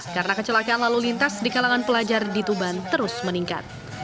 karena kecelakaan lalu lintas di kalangan pelajar di tuban terus meningkat